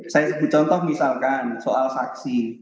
saya sebut contoh misalkan soal saksi